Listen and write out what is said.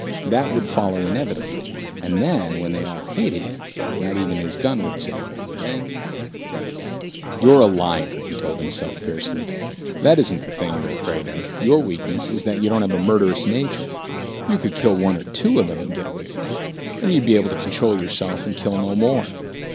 That would follow inevitably. And then, when they all hated him, not even his gun would save him. Then "You're a liar," he told himself fiercely. "That isn't the thing you're afraid of. Your weakness is that you don't have a murderous nature. You could kill one or two of them and get away with it, and you'd be able to control yourself and kill no more.